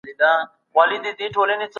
په خپل کار کي ډير دقت کوئ.